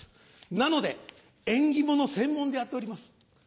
なので縁起物専門でやっております。